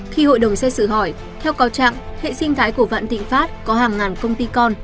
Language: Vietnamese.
khi hội đồng xét xử hỏi theo cáo trạng hệ sinh thái của vạn thịnh pháp có hàng ngàn công ty con